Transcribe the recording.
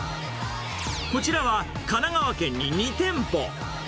こちらは神奈川県に２店舗。